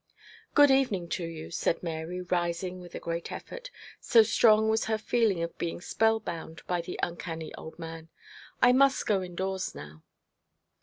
'Good evening to you,' said Mary, rising with a great effort, so strong was her feeling of being spellbound by the uncanny old man, 'I must go indoors now.'